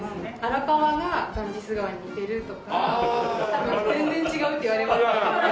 多分全然違うって言われますけど。